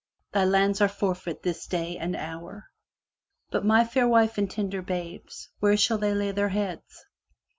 Thy lands are forfeit this day and hour." "But my fair wife and tender babes, where shall they lay their heads?